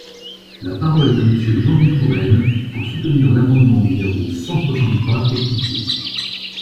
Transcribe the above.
La parole est à Monsieur Jean-Louis Touraine, pour soutenir l’amendement numéro cent soixante-trois rectifié.